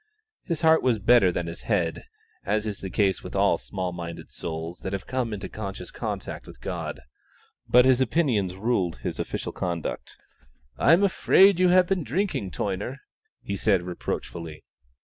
His heart was better than his head, as is the case with all small minded souls that have come into conscious contact with God, but his opinions ruled his official conduct. "I am afraid you have been drinking, Toyner," he said reproachfully.